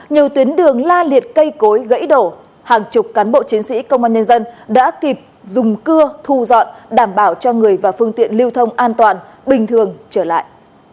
nhiều tuyến đường la liệt cây cối gãy đổ hàng chục cán bộ chiến sĩ công an nhân dân đã kịp dùng cưa thu dọn đảm bảo cho người và phương tiện lưu thông an toàn bình thường trở lại